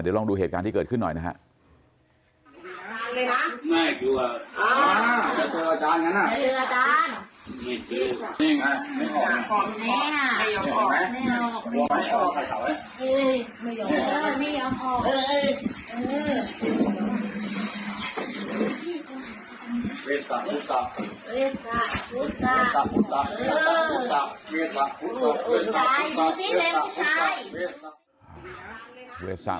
ลองดูเหตุการณ์ที่เกิดขึ้นหน่อยนะครับ